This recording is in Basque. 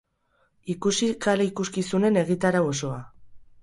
Ikusi kale ikuskizunen egitarau osoa.